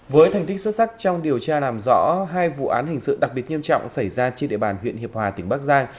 với thành tích xuất sắc trong điều tra làm rõ hai vụ án hình sự đặc biệt nghiêm trọng xảy ra trên địa bàn huyện hiệp hòa tỉnh bắc giang